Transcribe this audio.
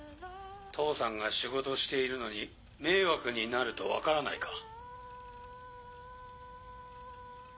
父さんが仕事しているのに迷惑になると分からないか？